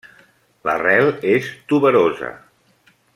L'arrel és tuberosa.